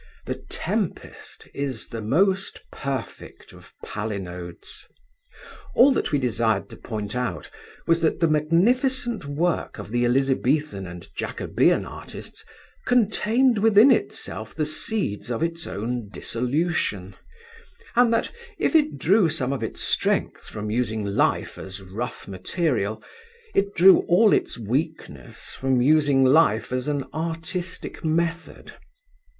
The Tempest is the most perfect of palinodes. All that we desired to point out was, that the magnificent work of the Elizabethan and Jacobean artists contained within itself the seeds of its own dissolution, and that, if it drew some of its strength from using life as rough material, it drew all its weakness from using life as an artistic method.